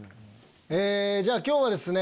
えじゃあ今日はですね